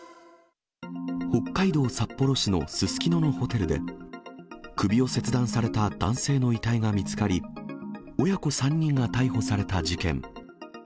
北海道札幌市のすすきののホテルで、首を切断された男性の遺体が見つかり、親子３人が逮捕された事件。